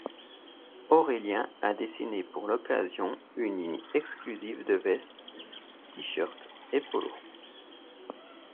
Aurelyen a dessiné pour l'occasion une ligne exclusive de vestes, tee-shirts et polos.